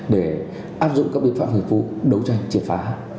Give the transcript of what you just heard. để áp dụng các biện phạm hợp vụ đấu tranh triệt phá